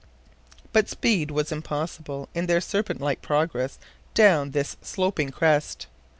But speed was impossible in their serpent like progress down this sloping crest.